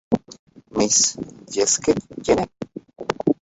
Miss জেসকে চেনেন?